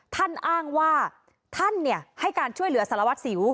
ท่านอ้างว่าท่านให้การช่วยเหลือสารวัตรสิว